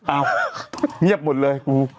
อ้าวเงียบหมดเลย